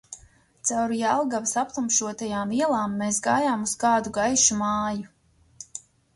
Cauri Jelgavas aptumšotajām ielām mēs gājām uz kādu gaišu māju.